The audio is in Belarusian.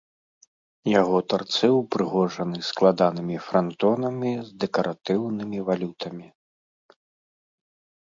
Яго тарцы ўпрыгожаны складанымі франтонамі з дэкаратыўнымі валютамі.